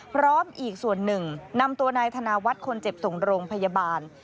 พร้อมอีกส่วนหนึ่งนำตัวนายธนาวัฒน์คนเจ็บส่งโรงพยาบาล